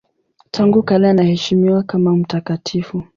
Tangu kale anaheshimiwa kama mtakatifu.